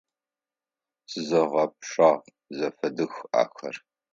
Сызэгъэпшагъ, зэфэдых ахэр!